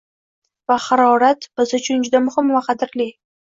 va harorat biz uchun juda muhim va qadrli.